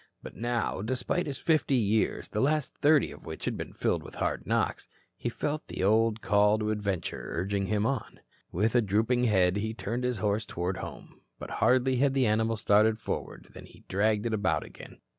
But now despite his fifty years, the last thirty of which had been filled with hard knocks, he felt the old call to adventure urging him on. With drooping head, he turned his horse toward home. But hardly had the animal started forward, than he dragged it about again.